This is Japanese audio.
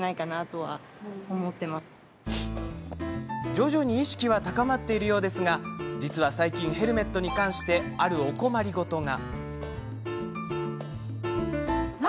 徐々に意識は高まっているようですが実は、最近ヘルメットに関してあるお困り事が。